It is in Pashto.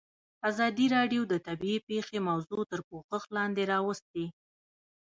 ازادي راډیو د طبیعي پېښې موضوع تر پوښښ لاندې راوستې.